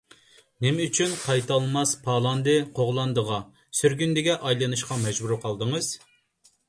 نېمە ئۈچۈن قايتالماس پالاندى - قوغلاندىغا، سۈرگۈندىگە ئايلىنىشقا مەجبۇر قالدىڭىز؟